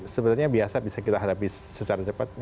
sebenarnya biasa bisa kita hadapi secara cepat